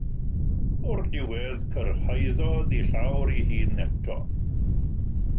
O'r diwedd cyrhaeddodd ei llawr ei hun eto.